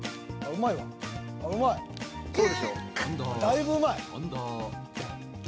［だいぶうまい］